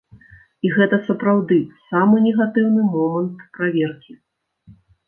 І гэта, сапраўды, самы негатыўны момант праверкі.